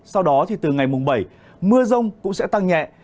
sau đó thì từ ngày mùng bảy mưa rông cũng sẽ tăng nhẹ